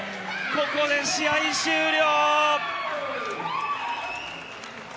ここで試合終了。